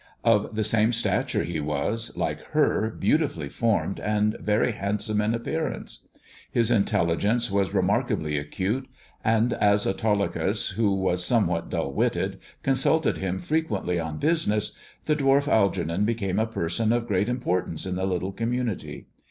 Of the same stature, he was, like her, beautifully formed, and very handsome in appearance. His intelligence was remarkably acute, and as Autolycus, who was some what dull witted, consulted him frequently on business, the dwarf Algernon became a person of great importance in the little community.